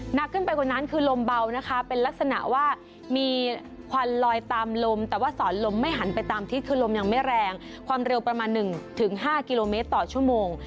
หนักขึ้นไปกว่านั้นคือลมเบานะคะเป็นลักษณะว่ามีควันลอยตามลมแต่ว่าสอนลมไม่หันไปตามทิศคือลมยังไม่แรงความเร็วประมาณ๑๕กิโลเมตรต่อชั่วโมง